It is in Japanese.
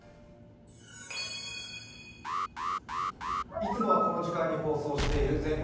いつもはこの時間に放送している「全国！